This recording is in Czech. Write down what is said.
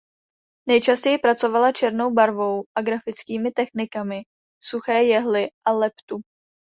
Nejčastěji pracovala černou barvou a grafickými technikami suché jehly a leptu.